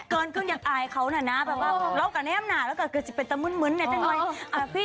เกินครึ่งอยากอายเขาน่ะนะแบบว่ารอบกับแน่อำนาจรอบกับเกินจะเป็นแต่มึ้นเนี่ยจังไง